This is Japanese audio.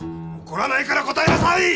怒らないから答えなさい！